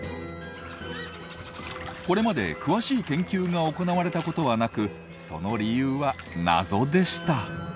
これまで詳しい研究が行われたことはなくその理由は謎でした。